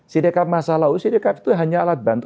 sidiqab masalah usia sidiqab itu hanya alat bantu